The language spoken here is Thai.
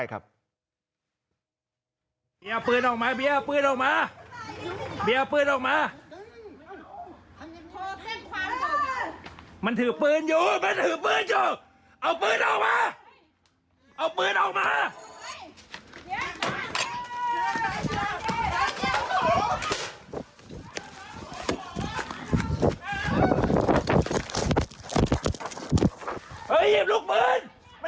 ยังไม่เอาปืนออกมาพร้อมมาพร้อมมามันถือปืนยังเอาคืบปืนออกมาเอาคืบปืนออกมา